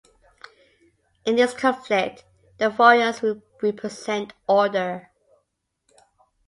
In this conflict, the Vorlons represent Order.